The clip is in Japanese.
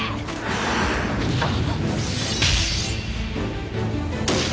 あっ。